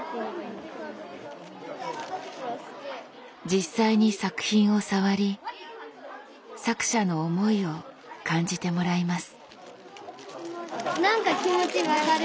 実際に作品を触り作者の思いを感じてもらいます。